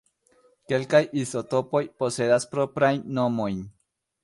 Kelkaj izotopoj posedas proprajn nomojn.